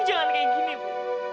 ibu jangan kayak gini ibu